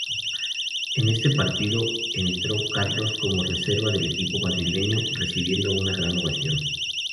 En este partido entró Carlos como reserva del equipo madrileño, recibiendo una gran ovación.